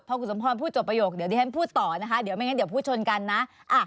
พอคุณสมพรพูดจบประโยคเดี๋ยวดิฉันพูดต่อนะคะเดี๋ยวไม่งั้นเดี๋ยวพูดชนกันนะ